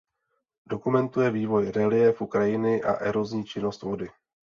Dokumentuje vývoj reliéfu krajiny a erozní činnost vody.